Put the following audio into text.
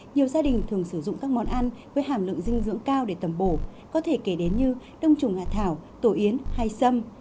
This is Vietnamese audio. nhiều gia đình thường sử dụng các món ăn với hàm lượng dinh dưỡng cao để tẩm bổ có thể kể đến như đông trùng hạ thảo tổ yến hay sâm